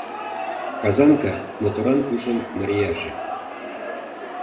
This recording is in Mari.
«Казанка» — моторан пушын марияже.